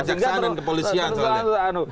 kejaksaan dan kepolisian soalnya